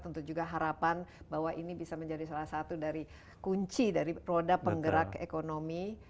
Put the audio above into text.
tentu juga harapan bahwa ini bisa menjadi salah satu dari kunci dari roda penggerak ekonomi